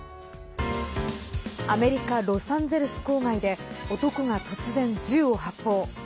アメリカ・ロサンゼルス郊外で男が突然、銃を発砲。